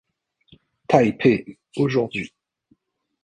Taipei, aujourd'hui.